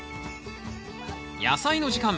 「やさいの時間」